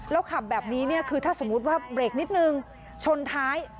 แล้วขับแบบนี้เนี่ยคือถ้าสมมุติว่าเบรกนิดนึงชนท้าย